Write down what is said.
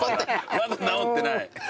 まだ直ってない。